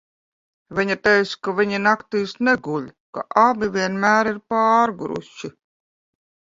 Viņa teica, ka viņi naktīs neguļ, ka abi vienmēr ir pārguruši.